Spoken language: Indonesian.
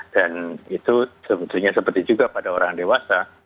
dan itu sebetulnya seperti juga pada orang dewasa